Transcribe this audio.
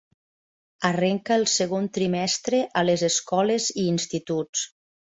Arrenca el segon trimestre a les escoles i instituts.